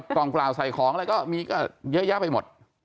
กล่องเปล่าใส่ของอะไรก็มีก็เยอะแยะไปหมด